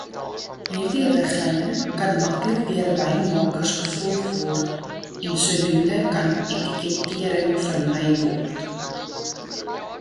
Hierdie riglyne kan maklik deur wynmakers gevolg word en sodoende kan etikettering vermy word.